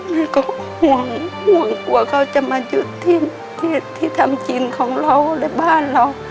เขาก็ห่วงห่วงกลัวเขาจะมาหยุดที่ทำกินของเราในบ้านเรา